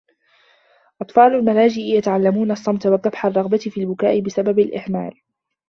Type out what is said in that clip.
أطفال الملاجئ يتعلمون الصمت و كبح الرغبة في البكاء بسبب الإهمال